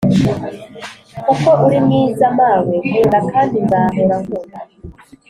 Kuko uri mwiza Mawe nkunda kandi nzahora nkunda